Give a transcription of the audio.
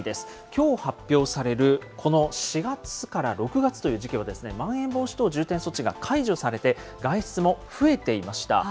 きょう発表される、この４月から６月という時期は、まん延防止等重点措置が解除されて、外出も増えていました。